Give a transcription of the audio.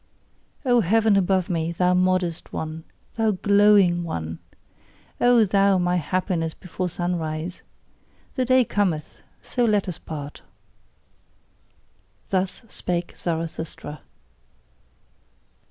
O heaven above me, thou modest one! thou glowing one! O thou, my happiness before sunrise! The day cometh: so let us part! Thus spake Zarathustra.